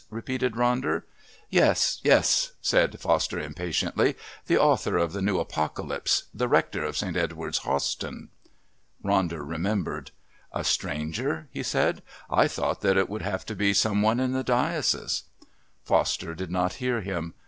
repeated Ronder. "Yes, yes," said Foster impatiently, "the author of The New Apocalypse the rector of St. Edward's, Hawston." Ronder remembered. "A stranger?" he said. "I thought that it would have to be some one in the diocese." Foster did not hear him.